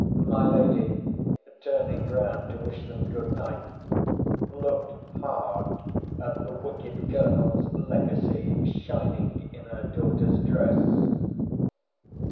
My lady, turning round to wish them good night, looked hard at the wicked Colonel's legacy shining in her daughter's dress.